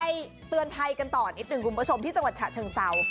เตือนภัยกันต่อนิดหนึ่งคุณผู้ชมที่จังหวัดฉะเชิงเศร้า